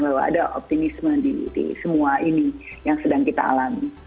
bahwa ada optimisme di semua ini yang sedang kita alami